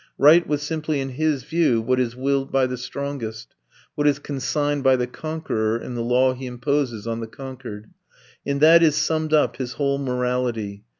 Right was simply in his view what is willed by the strongest, what is consigned by the conqueror in the law he imposes on the conquered. In that is summed up his whole morality.